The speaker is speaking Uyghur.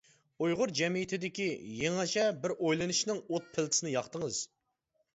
ئۇيغۇر جەمئىيىتىدىكى يېڭىچە بىر ئويلىنىشنىڭ ئوت پىلتىسىنى ياقتىڭىز.